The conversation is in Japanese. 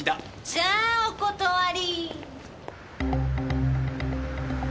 じゃあお断り！